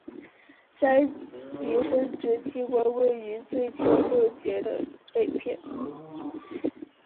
鳃及生殖器官位于最前六节的背片。